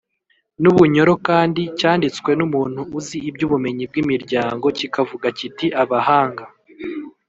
n’ubunyoro, kandi cyanditswe n’umuntu uzi iby’ubumenyi bw’imiryango kikavuga kiti:” abahanga